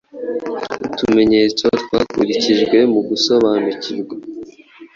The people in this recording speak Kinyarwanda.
Utumenyetso twakurikijwemu gusobanukirwa